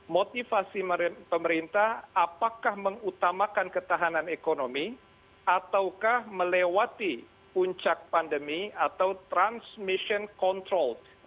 motivasi pemerintah apakah mengutamakan ketahanan ekonomi ataukah melewati puncak pandemi atau transmission control